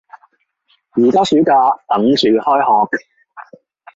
而家暑假，等住開學